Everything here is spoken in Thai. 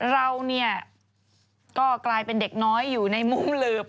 เราเนี่ยก็กลายเป็นเด็กน้อยอยู่ในมุมหลืบ